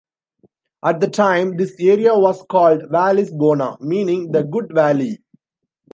At the time, this area was called "Vallis Bona", meaning "the good valley".